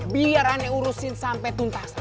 biar ane urusin sampe tuntas